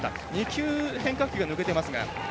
２球、変化球が抜けていますが。